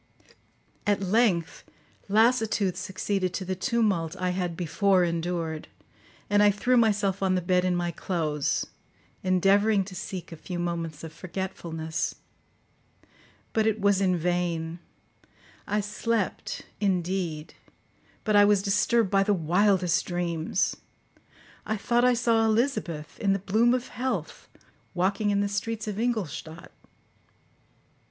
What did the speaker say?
At length lassitude succeeded to the tumult I had before endured, and I threw myself on the bed in my clothes, endeavouring to seek a few moments of forgetfulness. But it was in vain; I slept, indeed, but I was disturbed by the wildest dreams. I thought I saw Elizabeth, in the bloom of health, walking in the streets of Ingolstadt.